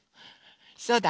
そうだ！